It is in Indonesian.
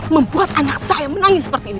membuat anak saya menangis seperti ini